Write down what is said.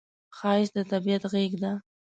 ښایست د طبیعت غېږه ده